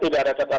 tidak ada catatan